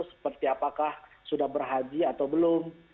seperti apakah sudah berhaji atau belum